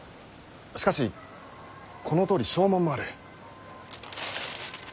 しかしこのとおり証文もある。